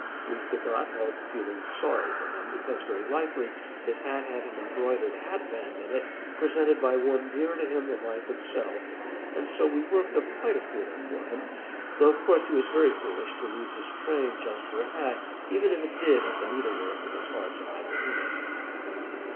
We could not help feeling sorry for him, because very likely his hat had an embroidered hat band in it, presented by one dearer to him than life itself, and so we worked up quite a feeling for him, though of course he was very foolish to lose his train just for a hat, even if it did have the needle work of his heart's idol in it.